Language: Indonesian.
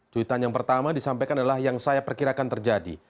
cuitan yang pertama disampaikan adalah yang saya perkirakan terjadi